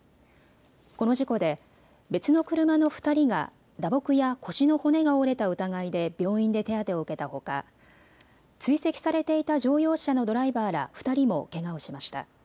この事故で別の車の２人が打撲や腰の骨が折れた疑いで病院で手当てを受けたほか、追跡されていた乗用車のドライバーら２人もけがをしました。